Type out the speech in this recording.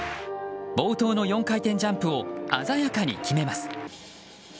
冒頭の４回転ジャンプを鮮やかに決めます。